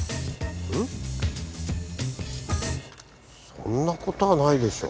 そんな事はないでしょ。